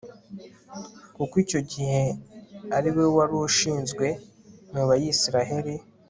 kuko icyo gihe ari we wari urushinzwe mu bayisraheli